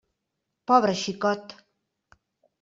Pobre xicot!